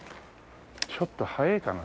ちょっと早えかな？